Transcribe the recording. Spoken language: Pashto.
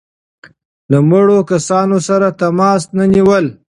له مړو کسانو سره تماس نه نیول.